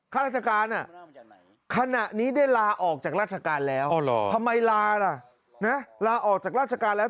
ข้าราชการขณะนี้ได้ลาออกจากราชการแล้วทำไมลาล่ะนะลาออกจากราชการแล้ว